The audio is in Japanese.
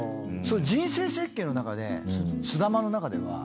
人生設計の中ですだまの中では。